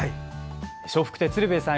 笑福亭鶴瓶さん